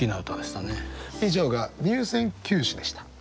以上が入選九首でした。